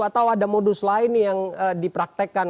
atau ada modus lain nih yang dipraktekkan